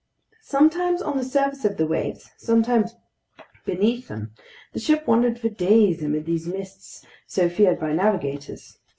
Sometimes on the surface of the waves, sometimes beneath them, the ship wandered for days amid these mists so feared by navigators.